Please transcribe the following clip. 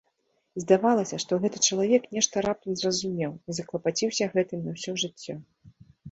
І здавалася, што гэты чалавек нешта раптам зразумеў і заклапаціўся гэтым на ўсё жыццё.